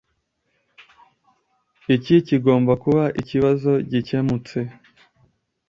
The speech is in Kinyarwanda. Iki kigomba kuba ikibazo gikemutse